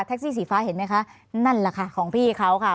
ซี่สีฟ้าเห็นไหมคะนั่นแหละค่ะของพี่เขาค่ะ